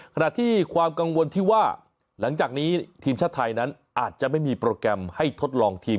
ขณะที่ความกังวลที่ว่าหลังจากนี้ทีมชาติไทยนั้นอาจจะไม่มีโปรแกรมให้ทดลองทีม